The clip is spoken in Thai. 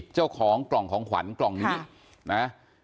เจ้าของกล่องของขวัญกล่องนี้นะ